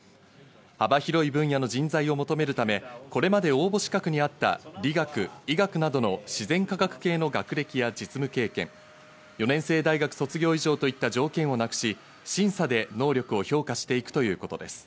幅広い分野の人材を求めるため、これまで応募資格にあった理学、医学などの自然科学系の学歴や実務経験、４年制大学卒業以上といった条件をなくし、審査で能力を評価していくということです。